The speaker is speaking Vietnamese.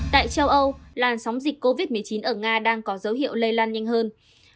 tại châu âu làn sóng dịch covid một mươi chín ở nga đang có dấu hiệu lây lan nhanh hơn